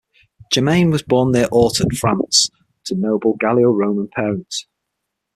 Germain was born near Autun, France, to noble Gallo-Roman parents.